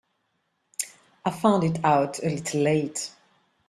I found it out a little late.